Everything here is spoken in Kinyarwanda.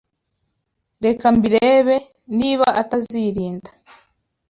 Reka mbirebe, niba atazirinda